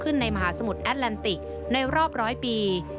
ในมหาสมุทรแอดแลนติกในรอบร้อยปี